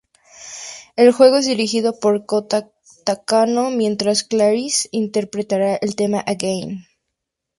El juego es dirigido por Kōta Takano, mientras ClariS interpretará el tema "again".